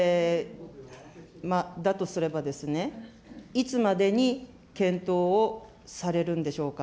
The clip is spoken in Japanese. だとすればですね、いつまでに検討をされるんでしょうか。